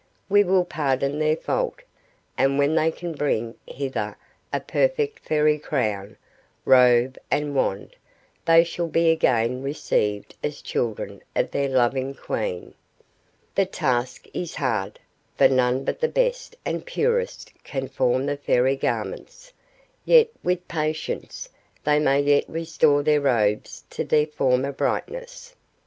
We will pardon their fault, and when they can bring hither a perfect Fairy crown, robe, and wand, they shall be again received as children of their loving Queen. The task is hard, for none but the best and purest can form the Fairy garments; yet with patience they may yet restore their robes to their former brightness.